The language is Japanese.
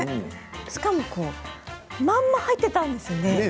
しかも、まんま入っていたんですよね。